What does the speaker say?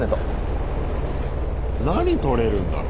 何とれるんだろう？